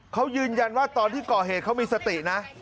เขายืนยันว่าตอนที่ก่อเหตุเขามีสตินะ